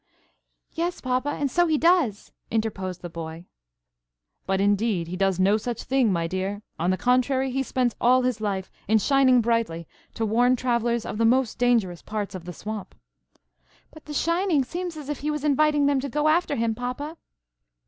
'" "Yes, papa, and so he does," interposed the Boy. "But, indeed, he does no such thing, my dear,–on the contrary, he spends all his life in shining brightly to warn travellers of the most dangerous parts of the swamp." "But the shining seems as if he was inviting them to go after him, papa."